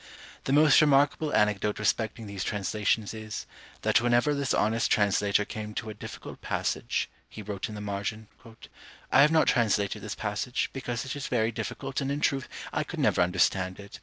The most remarkable anecdote respecting these translations is, that whenever this honest translator came to a difficult passage, he wrote in the margin, "I have not translated this passage, because it is very difficult, and in truth I could never understand it."